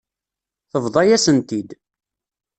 Tebḍa-yasen-t-id.